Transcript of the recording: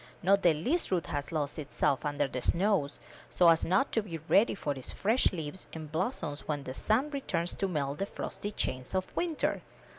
Not the least root has lost itself under the snows, so as not to be ready with its fresh leaves and blossoms when the sun returns to melt the frosty chains of winter.